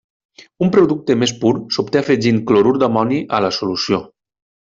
Un producte més pur s’obté afegint clorur d’amoni a la solució.